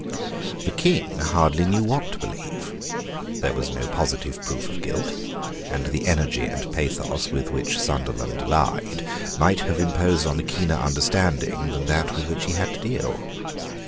The King hardly knew what to believe. There was no positive proof of guilt; and the energy and pathos with which Sunderland lied might have imposed on a keener understanding than that with which he had to deal.